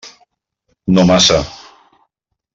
No massa.